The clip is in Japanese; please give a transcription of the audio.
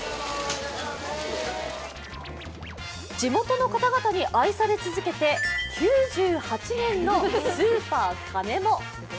地元の方々に愛され続けて９８年のスーパーカネモ。